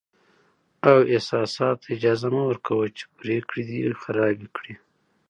او احساساتو ته اجازه مه ورکوه چې پرېکړې دې خرابې کړي.